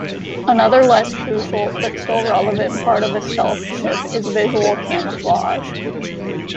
Another less crucial but still relevant part of a stealth ship is visual camouflage.